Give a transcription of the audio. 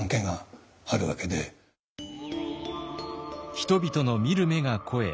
人々の見る目が肥え